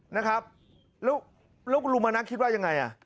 นะครับแล้วลุมานักคิดว่ายังไงอ่ะ